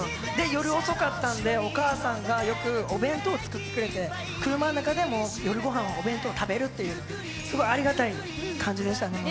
夜遅かったので、お母さんがよくお弁当を作ってくれて車の中で夜ごはん、お弁当を食べるっていうすごいありがたい感じでしたね。